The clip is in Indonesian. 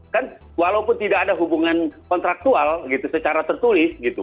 kan walaupun tidak ada hubungan kontraktual gitu secara tertulis gitu